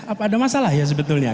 apa ada masalah ya sebetulnya